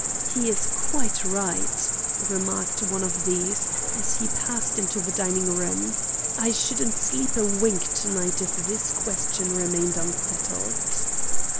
"He is quite right," remarked one of these, as he passed into the dining room. "I shouldn't sleep a wink to night if this question remained unsettled."